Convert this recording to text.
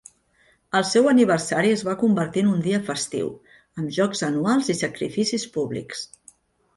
El seu aniversari es va convertir en un dia festiu, amb jocs anuals i sacrificis públics.